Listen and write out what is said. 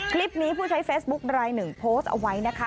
คลิปนี้ผู้ใช้เฟซบุ๊กไลน์๑โพสต์เอาไว้นะคะ